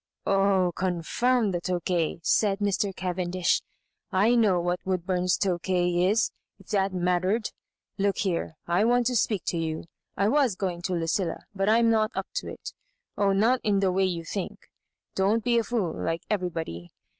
" Oh, confound the Tokajjr I " said Mr. Caven dish. " I know what Woodburn's Tokay is — ^if that mattered. Look here, I want to speak to you. I was going to Lucilla, but I'm not up to it Oh, not in the way you think I Don't be a fool like everybody.